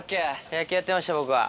野球やってました僕は。